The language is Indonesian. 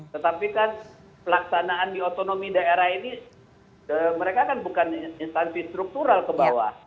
tetapi kan pelaksanaan di otonomi daerah ini mereka kan bukan instansi struktural ke bawah